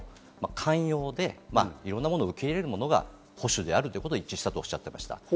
寛容でいろんなものを受け入れるものが保守であるということで一致したようです。